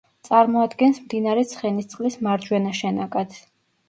წარმოადგენს მდინარე ცხენისწყლის მარჯვენა შენაკადს.